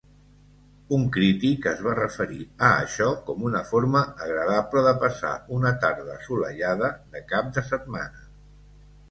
Un crític es va referir a això com una forma agradable de passar una tarda assolellada de cap de setmana.